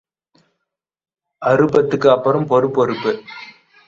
அறுபதுக்கு அப்புறம் பொறுபொறுப்பு.